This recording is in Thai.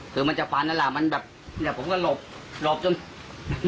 คือมันจะฟันอ่ะล่ะมันแบบเดี๋ยวผมก็หลบหลบจน